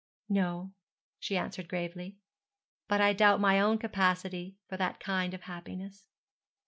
'No,' she answered gravely, 'but I doubt my own capacity for that kind of happiness.'